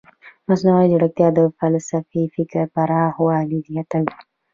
مصنوعي ځیرکتیا د فلسفي فکر پراخوالی زیاتوي.